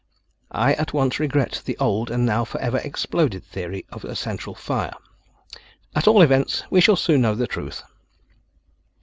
I at once regret the old and now forever exploded theory of a central fire. At all events, we shall soon know the truth."